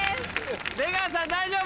出川さん大丈夫？